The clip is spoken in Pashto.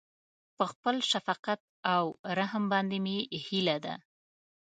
په خپل شفقت او رحم باندې مې هيله ده.